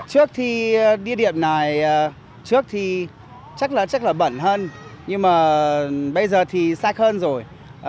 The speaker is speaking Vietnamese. trước thì địa điểm này chắc là bẩn hơn nhưng bây giờ thì sạc hơn rồi